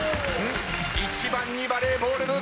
１番にバレーボール部。